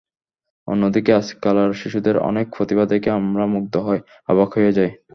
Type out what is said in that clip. অন্যদিকে আজকালকার শিশুদের অনেক প্রতিভা দেখে আমরা মুগ্ধ হই, অবাক হয়ে যাই।